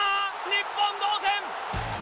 日本同点！